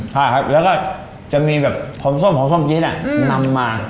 ก็จะมีผสมของส้มจี๊ดนำมา